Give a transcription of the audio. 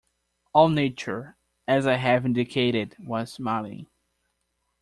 All nature, as I have indicated, was smiling.